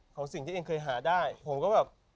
ของสิ่งที่เองเคยหาได้ผมก็แบบ